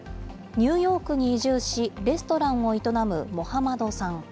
ニューヨークに移住し、レストランを営むモハマドさん。